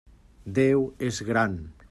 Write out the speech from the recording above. Déu és gran.